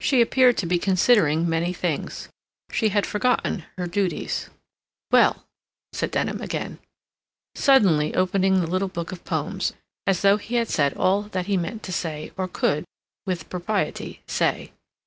She appeared to be considering many things. She had forgotten her duties. "Well," said Denham again, suddenly opening the little book of poems, as though he had said all that he meant to say or could, with propriety, say.